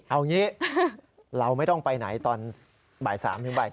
เอางี้เราไม่ต้องไปไหนตอนบ่าย๓ถึงบ่าย